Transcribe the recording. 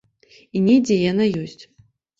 І недзе яна ёсць.